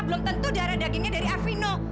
belum tentu darah dagingnya dari arvino